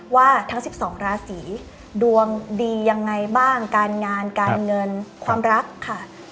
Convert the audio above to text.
ว่าทั้ง๑๒ราศีดวงดียังไงบ้างการงานการเงินความรักค่ะ